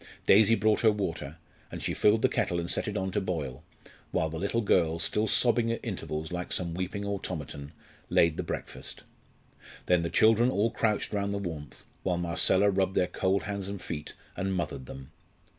Daisy brought her water, and she filled the kettle and set it on to boil, while the little girl, still sobbing at intervals like some little weeping automaton, laid the breakfast. Then the children all crouched round the warmth, while Marcella rubbed their cold hands and feet, and "mothered" them.